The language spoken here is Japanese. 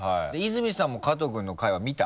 泉さんも加藤君の回は見た？